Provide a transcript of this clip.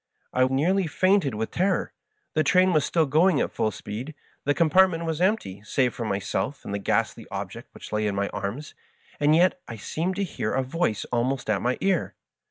I nearly fainted with terror. The train was still going at full speed ; the com partment was empty, save for myself and the ghastly ob ject which lay in my arms ; and yet I seemed to hear a voice almost at my ear.